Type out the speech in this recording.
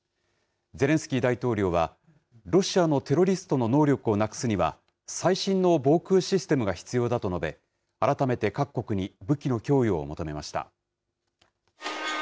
ゼレンスキー大統領は、ロシアのテロリストの能力をなくすには、最新の防空システムが必要だと述べ、改めて各国に武器の供与を求めました。